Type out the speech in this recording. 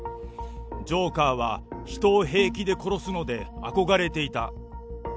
ジョーカーは人を平気で殺すので、憧れていた。